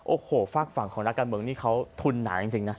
โอ้โหฝากฝั่งของนักการเมืองนี่เขาทุนหนาจริงนะ